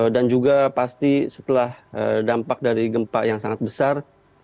dan juga pasti setelah dampak dari gempa yang sangat besar